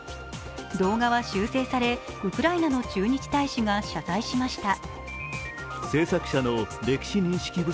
動画は修正され、ウクライナの駐日大使が謝罪しました。